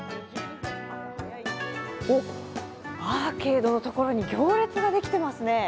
おっ、アーケードのところに行列ができてますね。